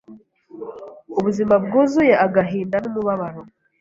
ubuzima bwuzuye agahinda n’umubabaro